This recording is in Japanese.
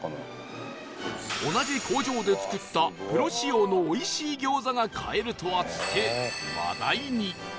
同じ工場で作ったプロ仕様のおいしい餃子が買えるとあって話題に